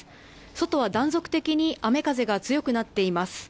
外は断続的に雨風が強くなっています。